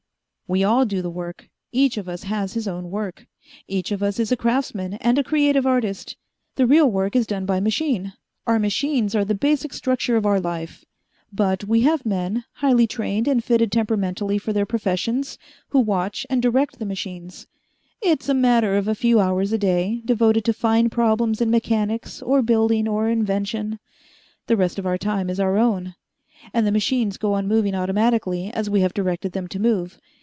"We all do the work. Each of us has his own work. Each of us is a craftsman and a creative artist. The real work is done by machine our machines are the basic structure of our life. But we have men, highly trained and fitted temperamentally for their professions, who watch and direct the machines. It is a matter of a few hours a day, devoted to fine problems in mechanics or building or invention. The rest of our time is our own, and the machines go on moving automatically as we have directed them to move.